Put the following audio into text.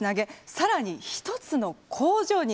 更に１つの工場に。